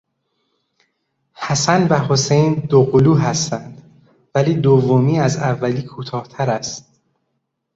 حسن و حسین دوقلو هستند ولی دومی از اولی کوتاهتر است.